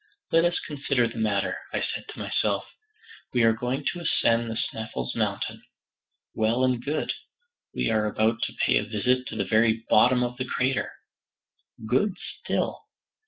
"Let us consider the matter," I said to myself; "we are going to ascend the Sneffels mountain. Well and good. We are about to pay a visit to the very bottom of the crater. Good, still.